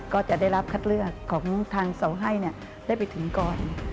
ก็จะได้รับคัดเลือกของทางเสาให้ได้ไปถึงก่อน